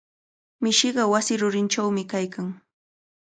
Mishiqa wasi rurinchawmi kaykan.